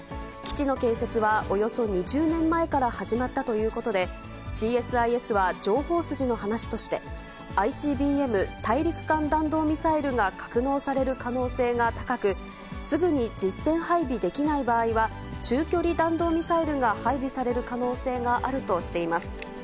基地の建設はおよそ２０年前から始まったということで、ＣＳＩＳは情報筋の話として、ＩＣＢＭ・大陸間弾道ミサイルが格納される可能性が高く、すぐに実戦配備できない場合は、中距離弾道ミサイルが配備される可能性があるとしています。